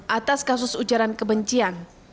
atas kasus ujaran kebencian